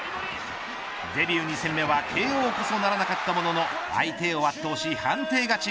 デビュー２戦目ではＫＯこそならなかったものの相手を圧倒し、判定勝ち。